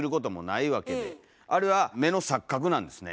あれは目の錯覚なんですね。